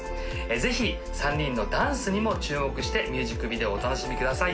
ぜひ３人のダンスにも注目してミュージックビデオをお楽しみください